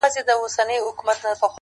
په غومبر او په مستیو ګډېدلې -